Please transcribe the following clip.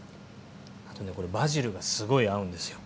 あとねバジルがすごい合うんですよ。